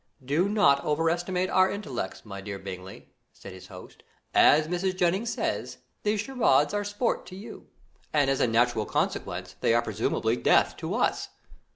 "Do not overestimate our intellects, my dear Bingley," said his host. "As Mrs. Jennings says, these charades are sport to you, and as a natural consequence they are presumably death to us."